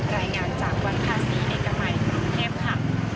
รายงานจากวัดภาษีเอกมัยกรุงเทพค่ะ